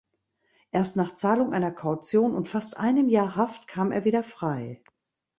Erst nach Zahlung einer Kaution und fast einem Jahr Haft kam er wieder frei.